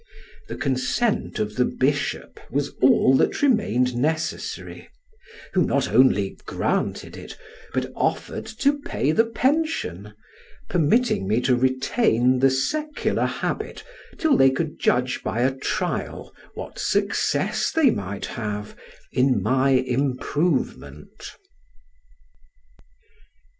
The consent of the bishop was all that remained necessary, who not only granted it, but offered to pay the pension, permitting me to retain the secular habit till they could judge by a trial what success they might have in my improvement.